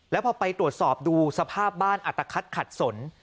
แล้วพอไปตรวจสอบดูสภาพบ้านอัตภัทขัดสน